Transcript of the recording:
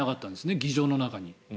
議場の中に。